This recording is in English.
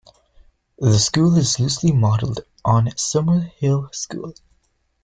The school is loosely modelled on Summerhill School.